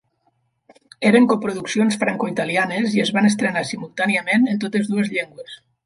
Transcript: Eren coproduccions francoitalianes i es van estrenar simultàniament en totes dues llengües.